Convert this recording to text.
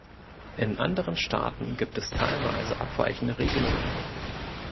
In anderen Staaten gibt es teilweise abweichende Regelungen.